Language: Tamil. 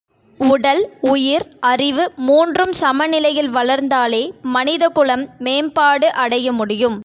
உடல், உயிர், அறிவு மூன்றும் சமநிலையில் வளர்ந்தாலே மனிதகுலம் மேம்பாடு அடைய முடியும்.